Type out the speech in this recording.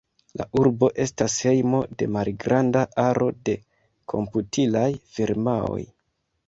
La urbo estas hejmo de malgranda aro de komputilaj firmaoj.